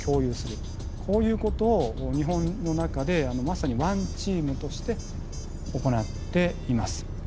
こういうことを日本の中でまさにワンチームとして行っています。